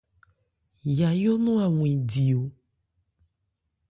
Yayó nɔn a wɛn di o.